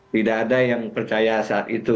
tidak ada yang percaya saat itu